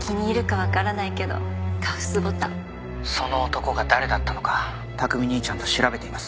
その男が誰だったのか琢己兄ちゃんと調べています。